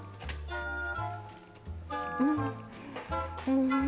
うん。